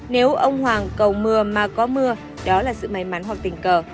nếu ông hoàng cầu mưa mà có mưa đó là sự may mắn hoặc tình cờ